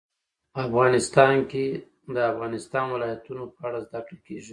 افغانستان کې د د افغانستان ولايتونه په اړه زده کړه کېږي.